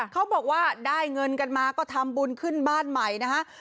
เขาบอกว่าได้เงินกันมาก็ทำบุญขึ้นบ้านใหม่นะฮะ